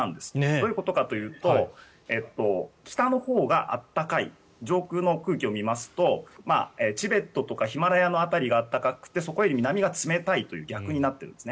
どういうことかというと北のほうが暖かい上空の空気を見ますとチベットとかヒマラヤの辺りが暖かくてそこより南が冷たいという逆になっているんです。